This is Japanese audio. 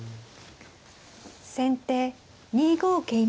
先手２五桂馬。